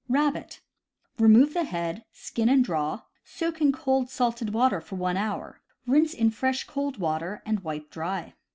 Rabbit. — Remove the head; skin and draw; soak in cold salted water for one hour; rinse in fresh cold water, and wipe dry.